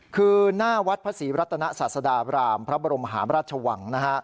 คือหน้าวัดพระศรีรัตนศาสดาบรามพระบรมหาราชวังนะฮะ